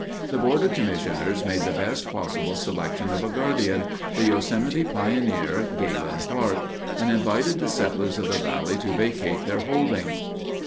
The board of commissioners made the best possible selection of a guardian, the Yosemite pioneer, Galen Clark, and invited the settlers of the valley to vacate their holdings.